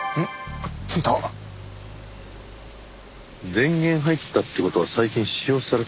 電源入ったって事は最近使用されたって事ですね。